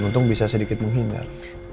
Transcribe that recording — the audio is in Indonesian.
untung bisa sedikit menghindar